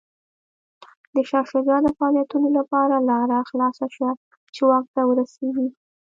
د شاه شجاع د فعالیتونو لپاره لاره خلاصه شوه چې واک ته ورسېږي.